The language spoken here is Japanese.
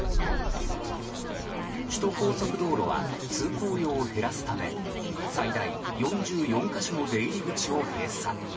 首都高速道路は通行量を減らすため最大４４か所の出入り口を閉鎖。